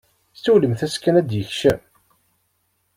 Siwlemt-as kan ad d-ikcem!